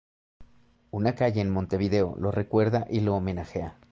Una calle en Montevideo, lo recuerda y lo homenajea.